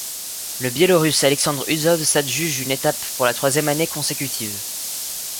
Le Biélorusse Alexandre Usov s'adjuge une étape pour la troisième année consécutive.